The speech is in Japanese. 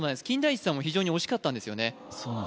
金田一さんも非常に惜しかったんですよね